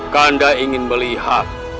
kanda ingin melihat